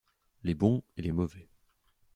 Les bons et les mauvais.